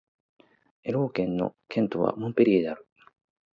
エロー県の県都はモンペリエである